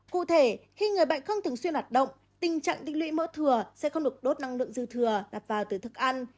cụ thể khi người bệnh không thường xuyên hoạt động tình trạng tích lũy mỡ thừa sẽ không được đốt năng lượng dư thừa đặt vào từ thức ăn